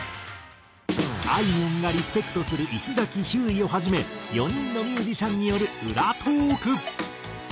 あいみょんがリスペクトする石崎ひゅーいをはじめ４人のミュージシャンによる裏トーク！